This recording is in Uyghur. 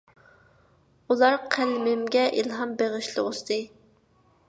ئۇلار قەلىمىمگە ئىلھام بېغىشلىغۇسى.